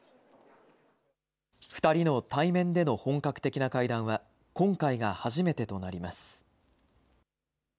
２人の対面での本格的な会談は今回が初めてとなります。